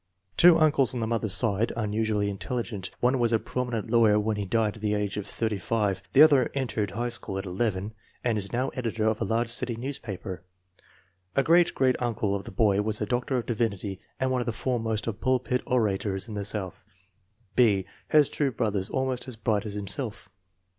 Two uncles on the mother's side unusually intelligent; one was a prominent lawyer when he died at the age of 35, the other entered high school at 11 and is now editor of a large city news paper. A great great uncle of the boy was a doctor of divinity and one of the foremost of pulpit orators in the South. B. has two brothers almost as bright as himself.